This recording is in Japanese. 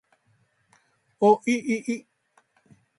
おいいい